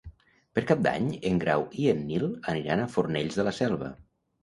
Per Cap d'Any en Grau i en Nil aniran a Fornells de la Selva.